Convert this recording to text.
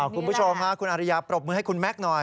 คุณผู้ชมคุณอริยาปรบมือให้คุณแม็กซ์หน่อย